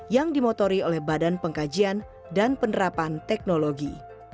yang dimotori oleh badan pengkajian dan penerapan teknologi